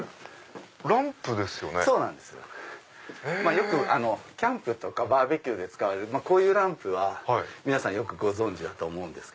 よくキャンプとかバーベキューで使うこういうランプは皆さんご存じだと思うんですけど。